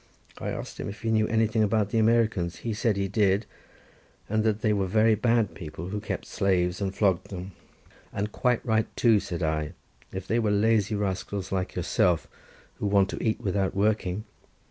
I asked him if he knew anything about the Americans? He said he did, and that they were very bad people, who kept slaves and flogged them. "And quite right too," said I, "if they are lazy rascals like yourself, who want to eat without working.